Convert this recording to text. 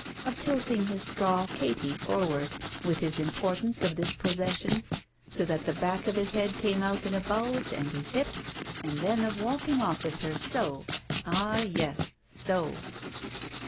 Of tilting his straw "katy forward, with his importance of this pos session, so that the back of his head came out in a bulge and his hip, and then of walking ofE with her, so! Ah yes, so!